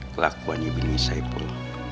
kelakuannya bini saya pok